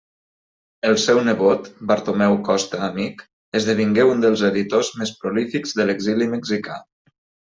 El seu nebot, Bartomeu Costa-Amic, esdevingué un dels editors més prolífics de l'exili mexicà.